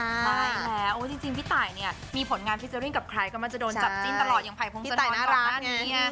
ใช่แล้วจริงพี่ตายเนี่ยมีผลงานฟิเจอรินกับใครก็มันจะโดนจับจิ้นตลอดอย่างภัยพร้อมสะท้อนตอนนี้